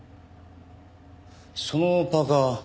そのパーカ。